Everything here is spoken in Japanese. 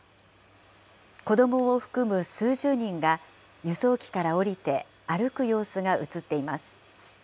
子どもを含む数十人が輸送機から降りて歩く様子が映っています。